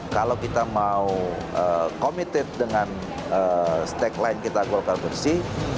kalau kita mau komited dengan stack line kita golkar persi